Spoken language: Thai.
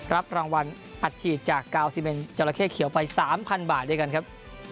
รับรางวัลอัดฉีดจากกาวซิเมนจราเข้เขียวไป๓๐๐บาทด้วยกันครับ